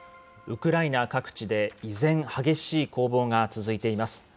ウクライナ各地で依然、激しい攻防が続いています。